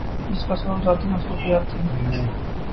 جس کا سبب ذاتی مصروفیت تھی ۔